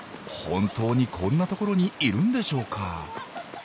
本当にこんなところにいるんでしょうか？